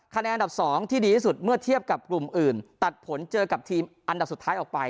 คะแนนอันดับ๒ที่ดีที่สุดเมื่อเทียบกับกลุ่มอื่นตัดผลเจอกับทีมอันดับสุดท้ายออกไป